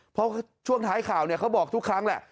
เพราะช่วงท้ายข่าวเขาบอกทุกครั้งแหละ